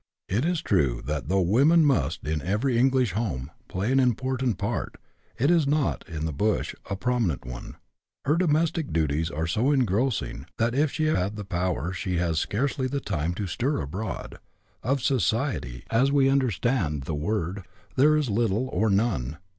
It is true that though woman must, in every English home, play an important part, it is not in " the bush " a prominent one. Her domestic duties are so engrossing, that if she had the power she has scarcely the time to stir abroad ; of society, as we un derstand the word, there is little or none.